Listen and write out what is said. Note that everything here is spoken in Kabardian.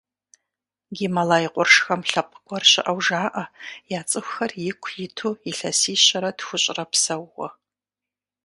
Гималай къуршхэм лъэпкъ гуэр щыӏэу жаӏэ, я цӏыхухэр ику иту илъэсищэрэ тхущӏрэ псэууэ.